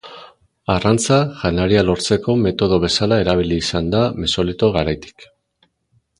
Arrantza janaria lortzeko metodo bezala erabilia izan da Mesolito garaitik.